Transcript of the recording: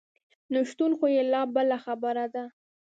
نشتون خو یې لا بله خبره ده.